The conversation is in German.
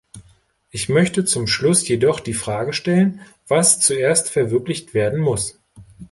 Ich möchte zum Schluss jedoch die Frage stellen, was zuerst verwirklicht werden muss.